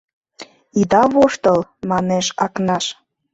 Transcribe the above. — Ида воштыл! — манеш Акнаш.